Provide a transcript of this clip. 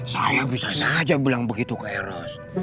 saya bisa saja bilang begitu ke eros